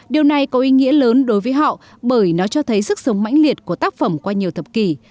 điều này có ý nghĩa lớn đối với họ bởi nó cho thấy sức sống mãnh liệt của tác phẩm qua nhiều thập kỷ